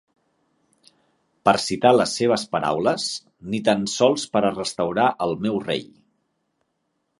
Per citar les seves paraules: "ni tan sols per a restaurar el meu rei".